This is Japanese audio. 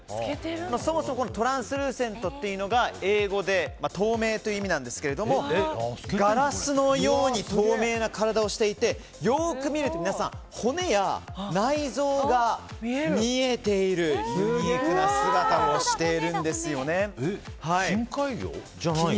そもそもトランスルーセントというのが英語で透明という意味なんですがガラスのように透明な体をしていてよく見ると骨や内臓が見えているユニークな姿をしているんですよね。